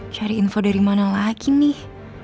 cari info dari mana lagi nih